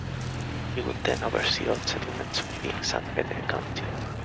He would then oversee all settlements within Sanpete County.